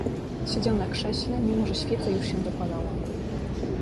Siedział na krześle, mimo że świeca już się dopalała.